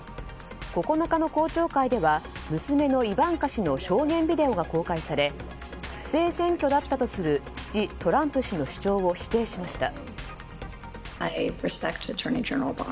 ９日の公聴会では娘のイバンカ氏の証言ビデオが公開され不正選挙だったとする父トランプ氏の主張を否定しました。